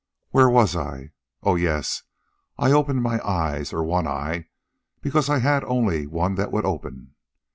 "Where was I? Oh, yes. I opened my eyes, or one eye, because I had only one that would open.